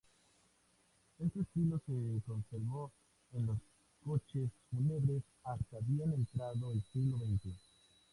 Este estilo se conservó en los coches fúnebres hasta bien entrado el siglo veinte.